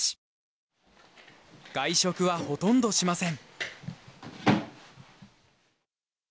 外食はほとんどしません。